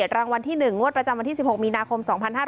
รางวัลที่๑งวดประจำวันที่๑๖มีนาคม๒๕๕๙